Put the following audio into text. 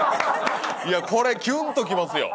これキュンときますよ。